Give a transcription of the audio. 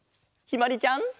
ひまりちゃん。